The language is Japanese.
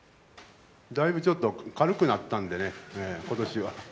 だいぶちょっと、軽くなったんでね、今年は。